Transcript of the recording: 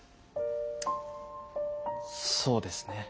そうですね。